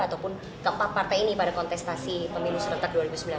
ataupun keempat partai ini pada kontestasi pemilu serentak dua ribu sembilan belas